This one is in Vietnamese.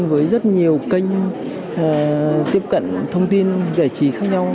với rất nhiều kênh tiếp cận thông tin giải trí khác nhau